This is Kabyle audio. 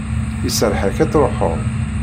Iserreḥ-ak ad truḥeḍ.